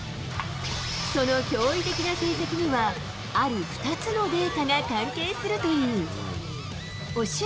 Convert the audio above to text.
その驚異的な成績にはある２つのデータが関係するという。